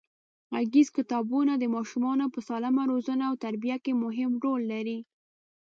غږیز کتابونه د ماشومانو په سالمه روزنه او تربیه کې مهم رول لري.